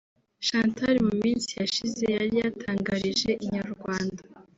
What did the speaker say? Chantal mu minsi yashize yari yatangarije Inyarwanda